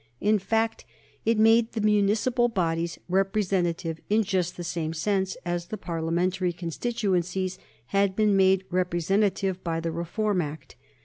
In fact, it made the municipal bodies representative in just the same sense as the Parliamentary constituencies had been made representative by the Reform Act.